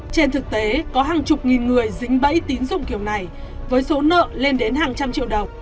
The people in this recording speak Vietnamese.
trên thực tế có hàng chục nghìn người dính bẫy tín dụng kiểu này với số nợ lên đến hàng trăm triệu đồng